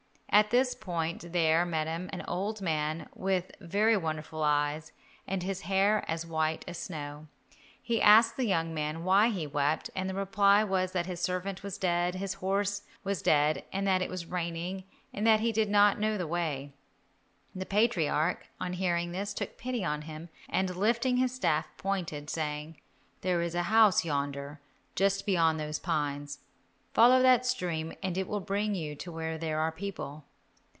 At this point there met him an old man with very wonderful eyes, and hair as white as snow. He asked the young man why he wept, and the reply was that his servant was dead, his horse was dead, that it was raining, and that he did not know the way. The patriarch, on hearing this, took pity on him, and lifting his staff, pointed, saying, "There is a house yonder, just beyond those pines, follow that stream and it will bring you to where there are people."